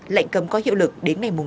lệnh cấm có hiệu lực đến ngày năm tháng sáu